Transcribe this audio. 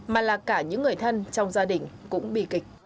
mà là cả những người thân trong gia đình cũng bị kịch